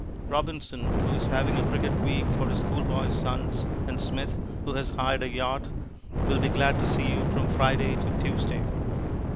Robinson, who is having a cricket week for his schoolboy sons, and Smith, who has hired a yacht, will be glad to see you from Friday to Tuesday.